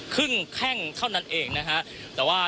คุณทัศนาควดทองเลยค่ะ